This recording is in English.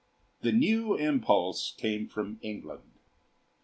The new impulse came from England.